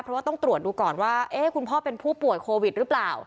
เพราะว่าต้องตรวจดูก่อนว่าคุณพ่อเป็นผู้ป่วยโควิดหรือเปล่า